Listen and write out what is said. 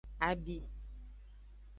Abi.